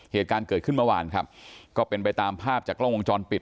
เหตุการณ์เกิดขึ้นเมื่อวานครับก็เป็นไปตามภาพจากกล้องวงจรปิด